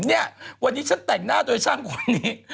เนี่ยวันนี้ฉันแต่งหน้าโดยช่างคนนี้